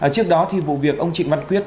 trước đó thì vụ việc ông trịnh văn quyết